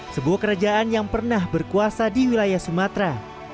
sebuah kerajaan yang pernah berkuasa di wilayah sumatera